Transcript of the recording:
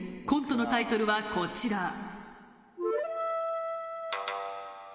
コントのタイトルはこちら。